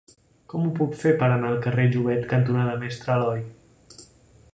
Com ho puc fer per anar al carrer Llobet cantonada Mestre Aloi?